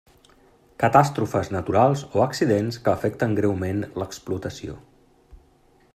Catàstrofes naturals o accidents que afecten greument l'explotació.